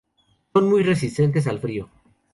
Son muy resistentes al frío.